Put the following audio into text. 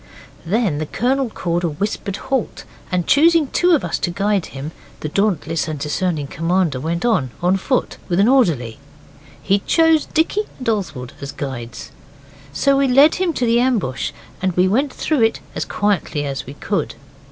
Then the Colonel called a whispered halt, and choosing two of us to guide him, the dauntless and discerning commander went on, on foot, with an orderly. He chose Dicky and Oswald as guides. So we led him to the ambush, and we went through it as quietly as we could.